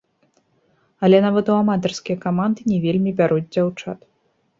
Але нават у аматарскія каманды не вельмі бяруць дзяўчат.